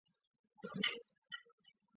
赴岳州托庇于湖南军阀赵恒惕。